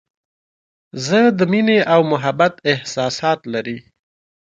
زه د مینې او محبت احساسات لري.